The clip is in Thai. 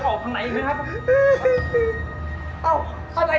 บอกแล้วไงให้กลับ